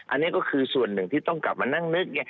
อันนี้ก็คือส่วนหนึ่งที่ต้องกลับมานั่งนึก